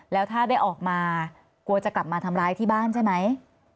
แล้วถ้าได้ออกมากลัวจะกลับมาทำร้ายที่บ้านใช่ไหม